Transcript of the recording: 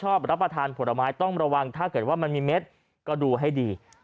รับประทานผลไม้ต้องระวังถ้าเกิดว่ามันมีเม็ดก็ดูให้ดี